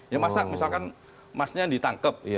ya masa misalkan masnya ditangkap